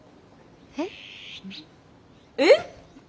えっ？えっ！？